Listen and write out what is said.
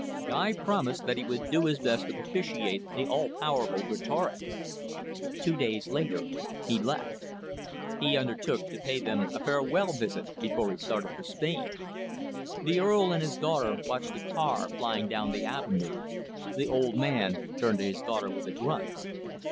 Guy promised that he would do his best to propitiate the all powerful Greatorex. Two days later he left. He undertook to pay them a farewell visit before he started for Spain. The Earl and his daughter watched the car flying down the avenue. The old man turned to his daughter with a grunt.